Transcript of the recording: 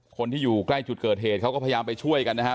คนที่อยู่ใกล้จุดเกิดเหตุเขาก็พยายามไปช่วยกันนะครับ